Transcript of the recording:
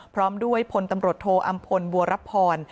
พร้อมด้วยพลตำรวจโทอำพลบัวรับพร